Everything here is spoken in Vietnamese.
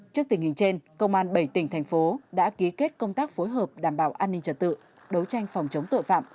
trước tình hình trên công an bảy tỉnh thành phố đã ký kết công tác phối hợp đảm bảo an ninh trật tự đấu tranh phòng chống tội phạm